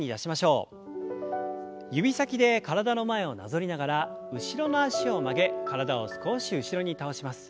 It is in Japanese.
指先で体の前をなぞりながら後ろの脚を曲げ体を少し後ろに倒します。